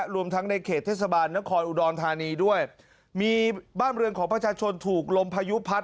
รวมทั้งในเขตเทศบาลนครอุดรธานีด้วยมีบ้านเรือนของประชาชนถูกลมพายุพัด